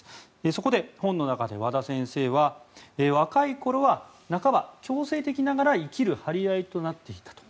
そこで、本の中で和田先生は若いころは半ば強制的ながら生きる張り合いとなっていたと。